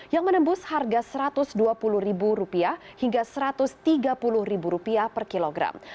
yang menembus harga rp satu ratus dua puluh hingga rp satu ratus tiga puluh per kilogram